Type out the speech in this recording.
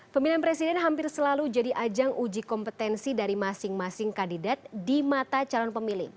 pemilihan presiden hampir selalu jadi ajang uji kompetensi dari masing masing kandidat di mata calon pemilih